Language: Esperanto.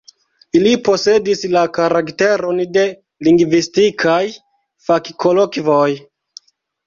Ili posedis la karakteron de lingvistikaj fakkolokvoj.